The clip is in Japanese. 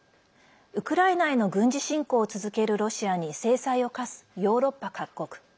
ウクライナへの軍事侵攻を続けるロシアに制裁を科すヨーロッパ各国。